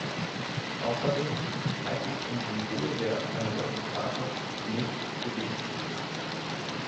Außerdem halte ich den Symbolwert einer solchen Karte nicht für lebenswichtig.